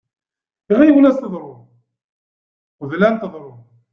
Ɣiwel aseḍru, qebl ad teḍru.